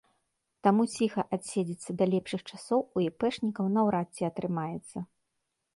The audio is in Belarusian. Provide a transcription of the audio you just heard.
Таму ціха адседзецца да лепшых часоў у іпэшнікаў наўрад ці атрымаецца.